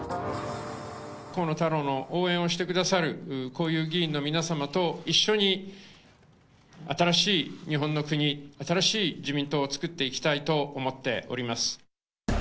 河野太郎の応援をしてくださる、こういう議員の皆様と一緒に、新しい日本の国、新しい自民党を作っていきたいと思っております。